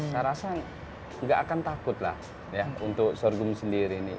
saya rasa nggak akan takut lah ya untuk sorghum sendiri ini